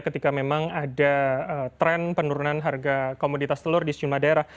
ketika memang ada tren penurunan harga komoditas telur di sejumlah daerah